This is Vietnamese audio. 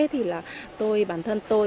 thì là tôi bản thân tôi